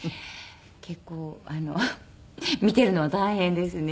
結構見ているのは大変ですね。